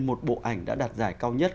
một bộ ảnh đã đặt giải cao nhất